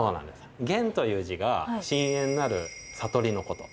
玄という字が深淵なる悟りのこと。